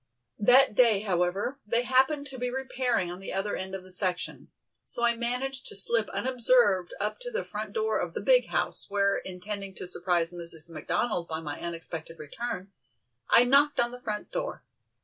That day, however, they happened to be repairing on the other end of the section, so I managed to slip unobserved up to the front door of the "big" house, where intending to surprise Mrs. McDonald by my unexpected return, I knocked on the front door.